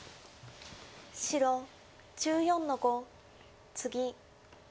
白１４の五ツギ。